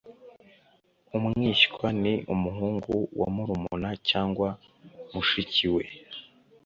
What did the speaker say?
Umwishywa ni umuhungu wa murumuna cyangwa mushiki we.